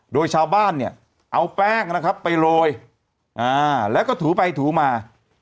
โดยชาวบ้านเนี่ยเอาแป้งนะครับไปโรยแล้วก็ถูไปถูมา